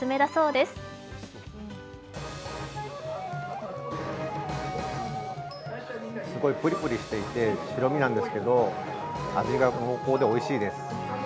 すごいぷりぷりしていて白身なんですけど、味が濃厚でおいしいです。